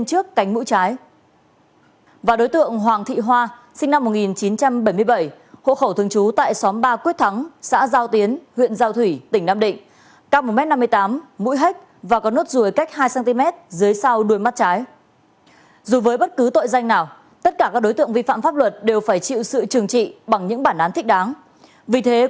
hãy đăng ký kênh để ủng hộ kênh của chúng mình nhé